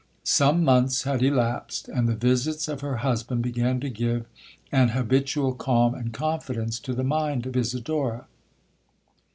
Some months had elapsed, and the visits of her husband began to give an habitual calm and confidence to the mind of Isidora.